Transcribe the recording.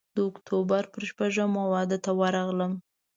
د اکتوبر پر شپږمه واده ته ورغلم.